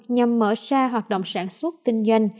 nhằm mở ra hoạt động sản xuất kinh doanh